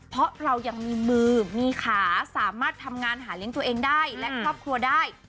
เพราะเรายังมีมือมีขาสามารถทำงานหาเลี้ยงตัวเองได้และครอบครัวได้